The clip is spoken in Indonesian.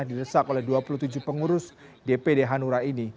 didesak oleh dua puluh tujuh pengurus dpd hanura ini